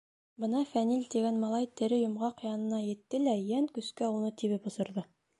Бына Фәнил тигән малай тере йомғаҡ янына етте лә йән көскә уны тибеп осорҙо.